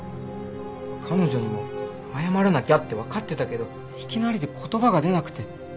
彼女にも謝らなきゃってわかってたけどいきなりで言葉が出なくて。